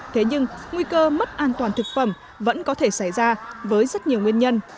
thế nhưng nguy cơ mất an toàn thực phẩm vẫn có thể xảy ra với rất nhiều nguyên nhân